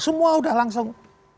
semua udah langsung